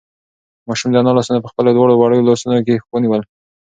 ماشوم د انا لاسونه په خپلو دواړو وړوکو لاسونو کې ونیول.